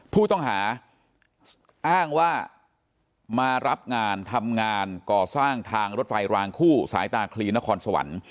ผู้ต้องหาอ้างว่ามารับงานทำงานก่อสร้างทางรถไฟรางคู่สายตาคลีนครสวรรค์